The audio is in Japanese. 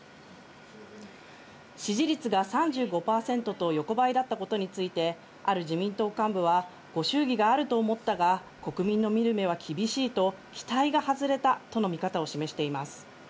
支持率が３５％と横ばいだったことについて、ある自民党幹部は、ご祝儀があると思ったが、国民の見る目は厳しいと期待が外れたとの見方を示しています。